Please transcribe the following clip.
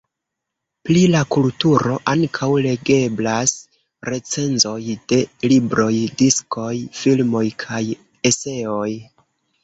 Pri la kulturo ankaŭ legeblas recenzoj de libroj, diskoj, filmoj, kaj eseoj.